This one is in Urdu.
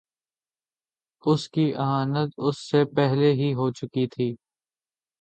اس کی اہانت اس سے پہلے ہی ہو چکی تھی۔